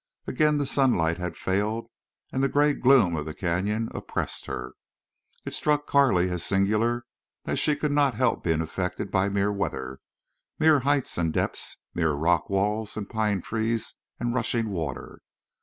Again the sunlight had failed, and the gray gloom of the canyon oppressed her. It struck Carley as singular that she could not help being affected by mere weather, mere heights and depths, mere rock walls and pine trees, and rushing water.